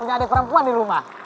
udah cepetan ya